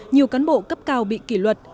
nhiều cán bộ cấp cao bị kỷ luật